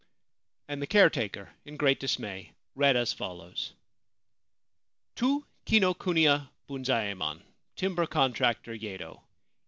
And the caretaker, in great dismay, read as follows :— To Kinokuniya Bunzaemon, Timber Contractor, Yedo.